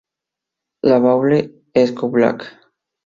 La Baule-Escoublac